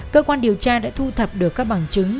cơ quan điều tra đã thu thập được các bằng chứng